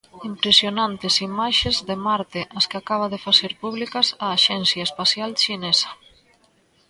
Impresionantes imaxes de Marte as que acaba de facer públicas a Axencia Espacial Chinesa.